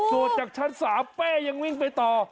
ส่วนจากชั้นสามเป้ยังวิ่งไปต่อ